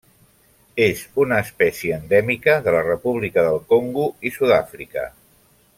És una espècie endèmica de la República del Congo i Sud-àfrica.